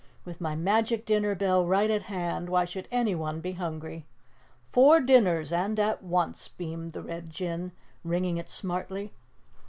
With my magic dinner bell right at hand, why should anyone be hungry? Four dinners and at once," beamed the Red Jinn, ringing it smartly.